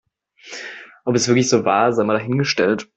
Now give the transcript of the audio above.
Ob es wirklich so war, sei mal dahingestellt.